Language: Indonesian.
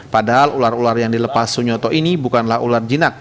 padahal ular ular yang dilepas sunyoto ini bukanlah ular jinak